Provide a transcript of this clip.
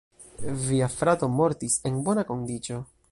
Via frato mortis en bona kondiĉo.